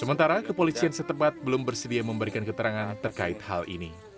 sementara kepolisian setempat belum bersedia memberikan keterangan terkait hal ini